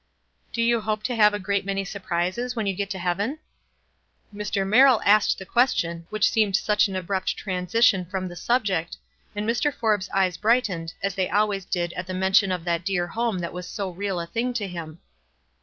" Do you hope to have a great many surprises when you get to heaven?" Mr. Merrill asked the question which seemed such an abrupt transition from the subject, and Mr. Forbes' eyes brightened, as they always did at the mention of that dear home that was so real a thing to him.